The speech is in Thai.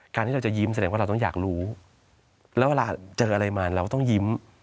ที่เราจะยิ้มแสดงว่าเราต้องอยากรู้แล้วเวลาเจออะไรมาเราต้องยิ้ม